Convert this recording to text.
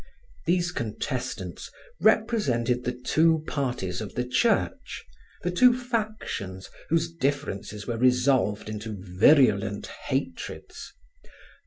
These contestants represented the two parties of the Church, the two factions whose differences were resolved into virulent hatreds.